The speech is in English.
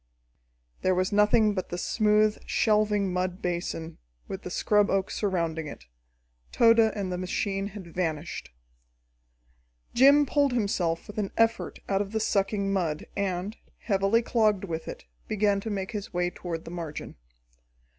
There was nothing but the smooth, shelving mud basin, with the scrub oak surrounding it. Tode and the machine had vanished. Jim pulled himself with an effort out of the sucking mud, and, heavily clogged with it, began to make his way toward the margin.